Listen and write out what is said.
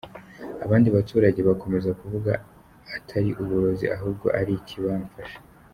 Abandi baturage bakomeza kuvuga ko atari uburozi ahubwo ari ‘Ikibamfasha’.